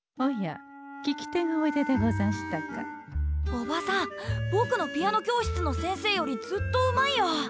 おばさんぼくのピアノ教室の先生よりずっとうまいよ。